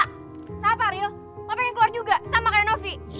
kenapa ril lo pengen keluar juga sama kayak novi